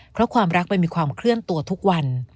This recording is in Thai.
เพราะความรักมันมีความเคลื่อนตัวทุกวัน